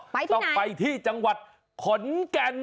ไปที่ไหนต้องไปที่จังหวัดขนแก่น